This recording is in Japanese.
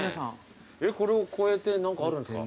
えっこれを越えて何かあるんですか？